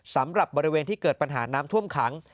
สำหรับบริเวณที่เกิดปัญหาน้ำท่วมขัง